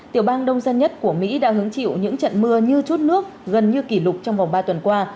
tiểu bang đông dân nhất của mỹ đã hứng chịu những trận mưa như chút nước gần như kỷ lục trong vòng ba tuần qua